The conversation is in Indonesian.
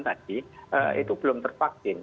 tadi itu belum tervaksin